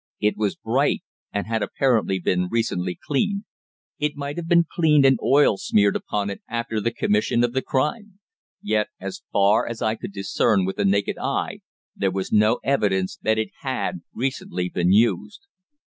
It was bright, and had apparently been recently cleaned. It might have been cleaned and oil smeared upon it after the commission of the crime. Yet as far as I could discern with the naked eye there was no evidence that it had recently been used.